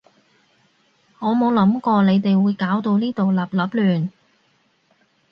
我冇諗過你哋會搞到呢度笠笠亂